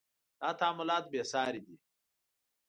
• دا تعاملات بې ساري دي.